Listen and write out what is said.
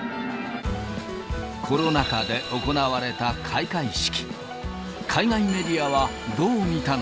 コロナ禍で行われた開会式。